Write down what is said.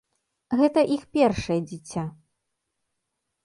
Гэта іх першае дзіця.